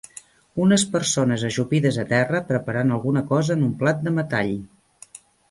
Unes persones ajupides a terra preparant alguna cosa en un plat de metall.